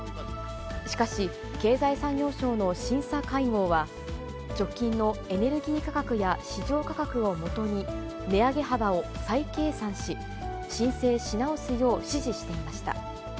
しかし、経済産業省の審査会合は、直近のエネルギー価格や市場価格を基に、値上げ幅を再計算し、申請し直すよう指示していました。